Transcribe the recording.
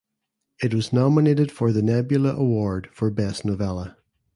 It was nominated for the Nebula Award for Best Novella.